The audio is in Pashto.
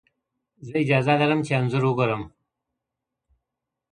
زه اجازه لرم چي انځور وګورم،